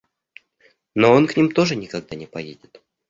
Но он к ним тоже никогда не поедет.